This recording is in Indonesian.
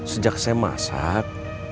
sejak saya masak